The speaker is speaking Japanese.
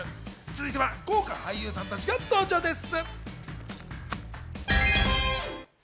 続いては豪華俳優さんたちが登場です。